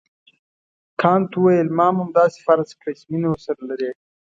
کانت وویل ما هم همداسې فرض کړه چې مینه ورسره لرې.